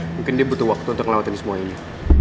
mungkin dia butuh waktu untuk ngelewatin semua ini